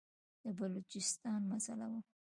د بلوچستان مسله وه.